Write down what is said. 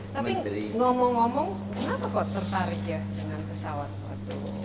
tapi ngomong ngomong kenapa kok tertarik ya dengan pesawat waktu